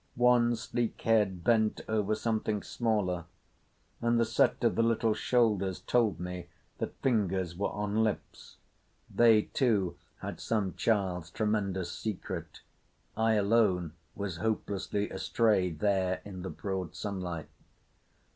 One sleek head bent over something smaller, and the set of the little shoulders told me that fingers were on lips. They, too, had some child's tremendous secret. I alone was hopelessly astray there in the broad sunlight.